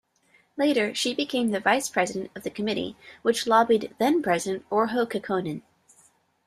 Later she became the Vice-President of the committee, which lobbied then-President Urho Kekkonen.